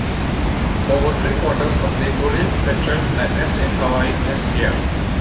Over three-quarters of the Bonin petrels that nest in Hawaii nest here.